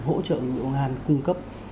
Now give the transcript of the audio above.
hỗ trợ lực lượng công an cung cấp